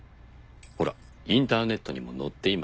ほらインターネットにも載っています。